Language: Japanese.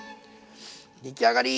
出来上がり！